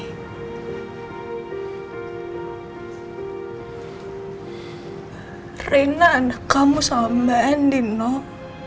reina reina ada kamu sama mbak andi noh